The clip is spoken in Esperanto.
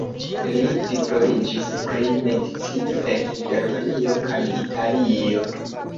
Li diplomitiĝis pri medicino en Germanio kaj Italio.